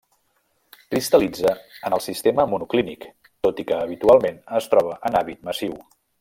Cristal·litza en el sistema monoclínic, tot i que habitualment es troba en hàbit massiu.